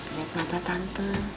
liat mata tante